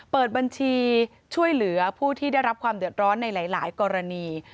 เปิดบัญชีช่วยเหลือผู้ที่ได้รับความเดือดร้อนในหลายกรณี